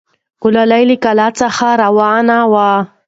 ګلالۍ له کلا څخه راروانه وه.